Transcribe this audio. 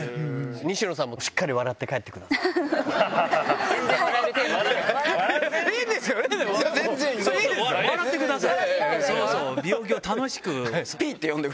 西野さんもしっかり笑って帰ってください。